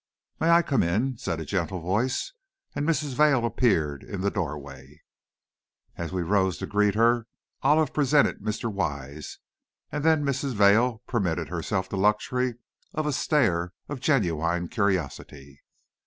"May I come in?" said a gentle voice, and Mrs. Vail appeared in the doorway. As we rose to greet her, Olive presented Mr. Wise, and then Mrs. Vail permitted herself the luxury of a stare of genuine curiosity.